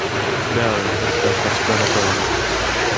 "Bell" is self-explanatory.